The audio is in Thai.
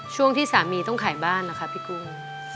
ช่วงที่สามีต้องขายบ้านนะคะพี่กุ้ง